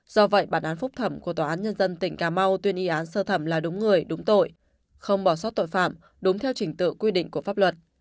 do vậy bản án phúc thẩm của tòa án nhân dân tỉnh cà mau tuyên y án sơ thẩm là đúng người đúng tội không bỏ sót tội phạm đúng theo trình tự quy định của pháp luật